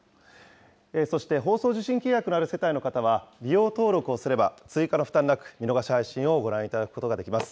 そして放送受信契約のある世帯の方は、利用登録をすれば、追加の負担なく見逃し配信をご覧いただくことができます。